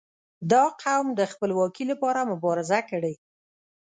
• دا قوم د خپلواکي لپاره مبارزه کړې.